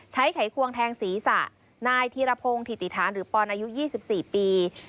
ใช้ไขควงแทงศีรษะนายธิระโพงถิติธานหรือปอนด์อายุ๒๔ปี